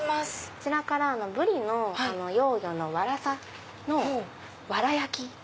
こちらからブリの幼魚のワラサのわら焼き。